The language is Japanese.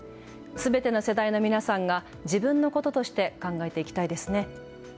すべての世代の皆さんが自分のこととして考えていきたいですね。